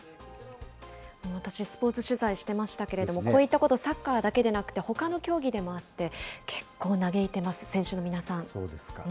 私、スポーツ取材してましたけれども、こういったこと、サッカーだけでなくてほかの競技でもあって、結構嘆いてます、選手のそうですか。